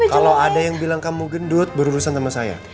kalau ada yang bilang kamu gendut berurusan sama saya